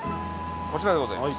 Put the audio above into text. こちらでございます。